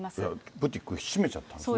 ブティック、閉めちゃったんですね。